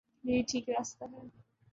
یہی ٹھیک راستہ ہے۔